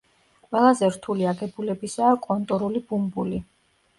ყველაზე რთული აგებულებისაა კონტურული ბუმბული.